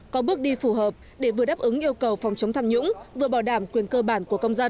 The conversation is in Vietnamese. có bước đi phù hợp để vừa đáp ứng yêu cầu phòng chống tham nhũng vừa bảo đảm quyền cơ bản của công dân